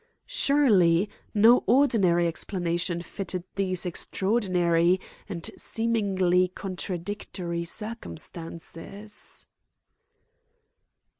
Surely, no ordinary explanation fitted these extraordinary and seemingly contradictory circumstances.